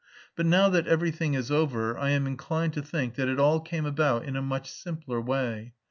But now that everything is over, I am inclined to think that it all came about in a much simpler way.